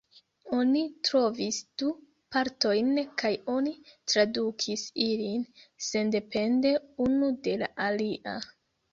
Oni trovis du partojn kaj oni tradukis ilin sendepende unu de la alia.